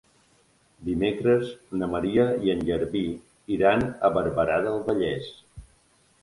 Dimecres na Maria i en Garbí iran a Barberà del Vallès.